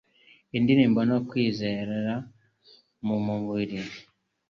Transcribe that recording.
indahiro no kwinezeza mu by'umubiri,